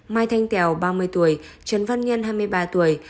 mai thanh tèo ba mươi tuổi trần văn nhân hai mươi ba tuổi